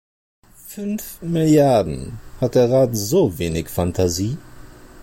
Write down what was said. Fünf Milliarden, hat der Rat so wenig Fantasie?